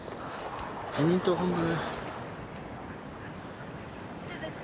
自民党本部！